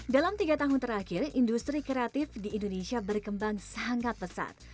dalam tiga tahun terakhir industri kreatif di indonesia berkembang sangat pesat